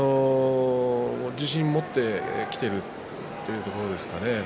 自信を持ってきているというところですかね